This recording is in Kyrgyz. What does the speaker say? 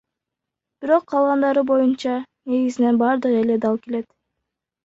Бирок калгандары боюнча, негизинен бардыгы эле дал келет.